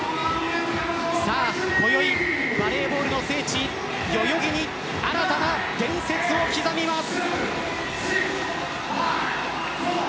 さあ、こよいバレーボールの聖地、代々木に新たな伝説を刻みます。